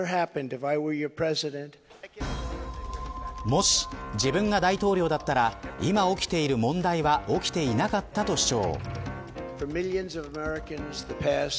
もし、自分が大統領だったら今、起きている問題は起きていなかったと主張。